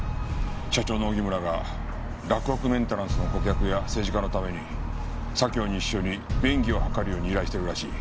社長の荻村が洛北メンテナンスの顧客や政治家のために左京西署に便宜を図るように依頼してるらしい。